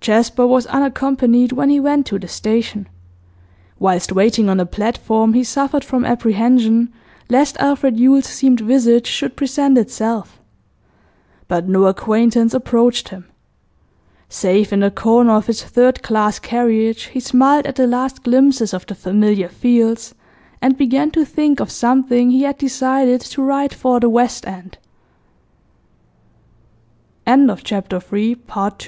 Jasper was unaccompanied when he went to the station. Whilst waiting on the platform, he suffered from apprehension lest Alfred Yule's seamed visage should present itself; but no acquaintance approached him. Safe in the corner of his third class carriage, he smiled at the last glimpse of the familiar fields, and began to think of something he had decided to write for The West End. CHAPTER IV. AN AUTHOR AND HIS